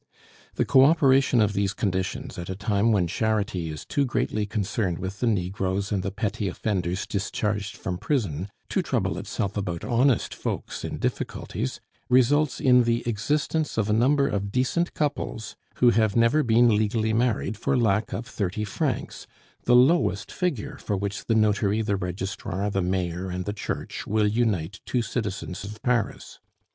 The co operation of these conditions, at a time when charity is too greatly concerned with the negroes and the petty offenders discharged from prison to trouble itself about honest folks in difficulties, results in the existence of a number of decent couples who have never been legally married for lack of thirty francs, the lowest figure for which the Notary, the Registrar, the Mayor and the Church will unite two citizens of Paris.